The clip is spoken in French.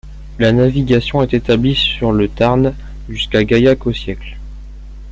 La navigation est établie sur le Tarn jusqu'à Gaillac au siècle.